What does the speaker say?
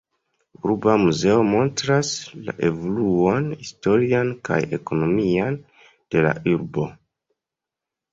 Urba muzeo montras la evoluon historian kaj ekonomian de la urbo.